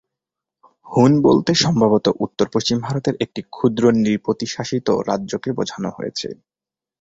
হুন বলতে সম্ভবত উত্তর-পশ্চিম ভারতের একটি ক্ষুদ্র নৃপতি-শাসিত রাজ্যকে বোঝানো হয়েছে।